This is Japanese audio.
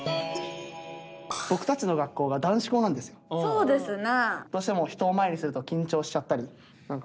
そうですな。